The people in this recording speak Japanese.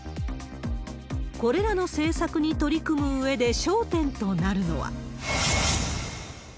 これらの政策に取り組むうえで焦点となるのは。